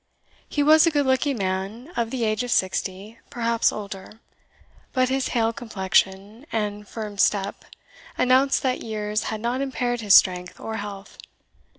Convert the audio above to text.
He was a good looking man of the age of sixty, perhaps older, but his hale complexion and firm step announced that years had not impaired his strength or health.